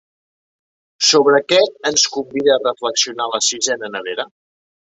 Sobre què ens convida a reflexionar la sisena nevera?